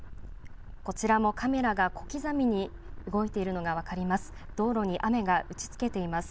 こちらもカメラが小刻みに動いているのが分かります。